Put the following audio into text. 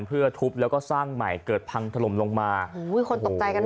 เพื่อทุบแล้วก็สร้างใหม่เกิดพังถล่มลงมาโอ้โหคนตกใจกันมาก